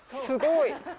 すごい。